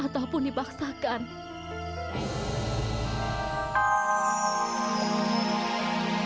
bahwa cinta tidak bisa terpaksa